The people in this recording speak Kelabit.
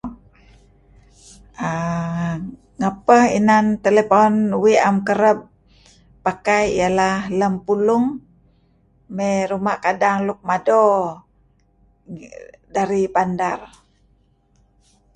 Ah ngapeh inan telepaun uih am kereb pakai ialah lem pulung mey ruma' kadang luk mado dari bandar.